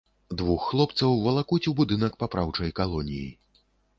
Двух хлопцаў валакуць у будынак папраўчай калоніі.